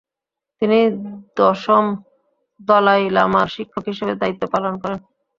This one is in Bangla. তিনি দশম দলাই লামার শিক্ষক হিসেবে দায়িত্ব পালন করেন।